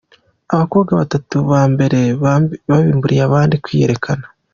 Abakobwa batatu ba mbere babimburiye abandi kwiyerekana.